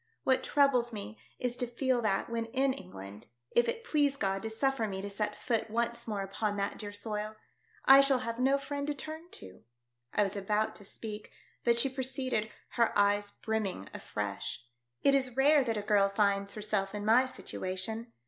What troubles me is to feel that when in England — If it please God to suffer me to set foot once more; upon that dear soil — I shall have no friend to turn to." I was about to speak, but she proceeded, her eyes brimming afresh —" It is rare that a girl finds herself in my situation.